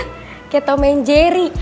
kayak tau main jerry